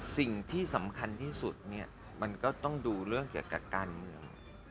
สิ่งที่สำคัญที่สุดเนี่ยมันก็ต้องดูเรื่องเกี่ยวกับการเมือง